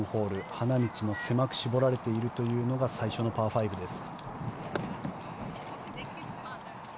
花道も狭く絞られているというのが最初のパー５です。